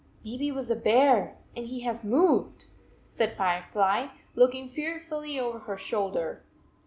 4 Maybe it was a bear and he has moved, said Firefly, looking fearfully over her shoul der.